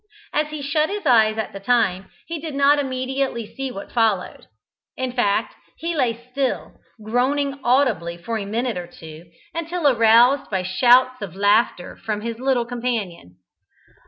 As he shut his eyes at the time, he did not immediately see what followed. In fact he lay still, groaning audibly for a minute or two, until aroused by shouts of laughter from his little companion.